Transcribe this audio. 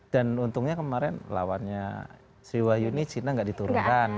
dan untungnya kemarin lawannya sriwayuni china gak diturunkan